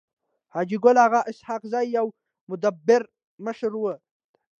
حاجي ګل اغا اسحق زی يو مدبر مشر وو.